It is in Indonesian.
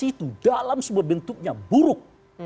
itu dalam sebuah bentuknya buruk